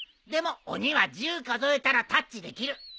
でも鬼は１０数えたらタッチできる。